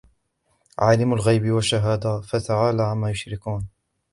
عالم الغيب والشهادة فتعالى عما يشركون